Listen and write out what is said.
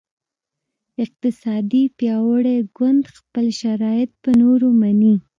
اقتصادي پیاوړی ګوند خپل شرایط په نورو مني